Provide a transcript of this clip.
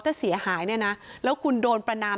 ถ้าเสียหายเนี่ยนะแล้วคุณโดนประนาม